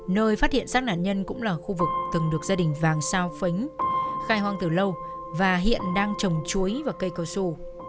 nơi phát hiện sát nạn nhân cũng là khu vực từng được gia đình vàng seo sánh khai hoang từ lâu và hiện đang trồng chuối và cây cơ sổ